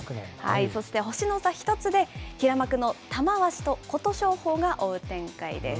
そして星の差１つで、平幕の玉鷲と琴勝峰が追う展開です。